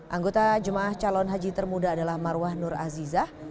anggota jemaah calon haji termuda adalah marwah nur azizah